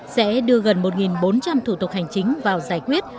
sẽ đưa gần một bốn trăm linh thủ tục hành chính vào giải quyết